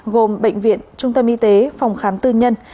gồm bệnh viện trung tâm y tế phòng khám tư nhân